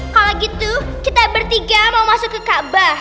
kalau gitu kita bertiga mau masuk ke kaabah